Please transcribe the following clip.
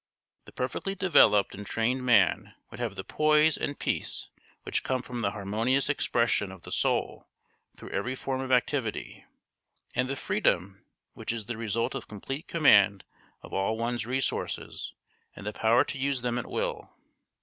The perfectly developed and trained man would have the poise and peace which come from the harmonious expression of the soul through every form of activity, and the freedom which is the result of complete command of all one's resources and the power to use them at will.